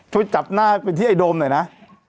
ช่วยจับหน้าไปที่ไอ้โดมหน่อยนะ